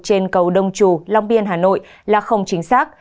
trên cầu đông trù long biên hà nội là không chính xác